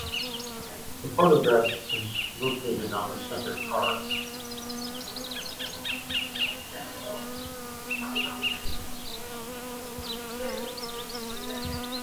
The pantograph is located on the center car.